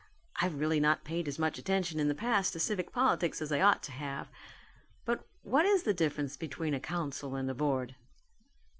I've really not paid as much attention in the past to civic politics as I ought to have. But what is the difference between a council and a board?"